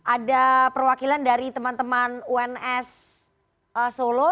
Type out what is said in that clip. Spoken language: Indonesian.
ada perwakilan dari teman teman uns solo